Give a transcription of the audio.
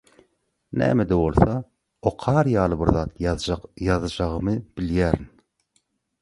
näme-de bolsa okar ýaly bir zat ýazjagymy bilýän.